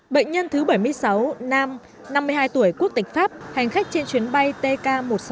bệnh nhân thứ bảy mươi sáu nam năm mươi hai tuổi quốc tịch pháp hành khách trên chuyến bay tk một trăm sáu mươi một